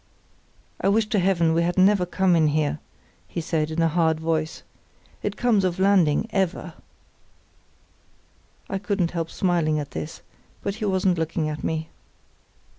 "I wish to Heaven we had never come in here," he said, in a hard voice; "it comes of landing ever." (I couldn't help smiling at this, but he wasn't looking at me.)